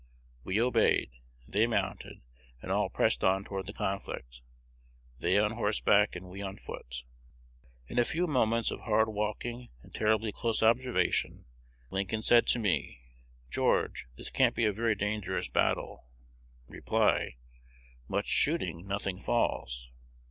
We obeyed: they mounted, and all pressed on toward the conflict, they on horseback, we on foot. In a few moments of hard walking and terribly close observation, Lincoln said to me, 'George, this can't be a very dangerous battle.' Reply: 'Much shooting, nothing falls.'